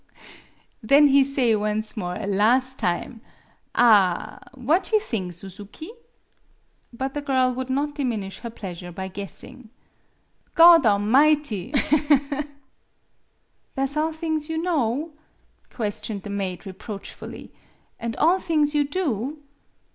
Then he say once more, las' time, ah, what you thing, Suzuki ?" But the girl would not diminish her plea sure by guessing. "' Godamighty !' Aha, ha, ha! "" Tha' 's all things you know ?" ques tioned the maid, reproachfully, " an' all things you do